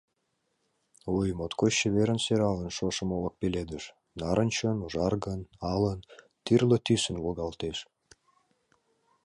Ой, моткоч чеверын-сӧралын шошым олык пеледеш; нарынчын, ужаргын, алын – тӱрлӧ тӱсын волгалтеш.